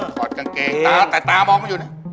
ทอดกางเกงแต่ตามองไม่อยู่